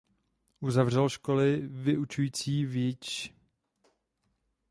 Uzavřel školy vyučující v jidiš.